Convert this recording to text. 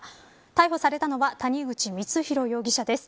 逮捕されたのは谷口光弘容疑者です。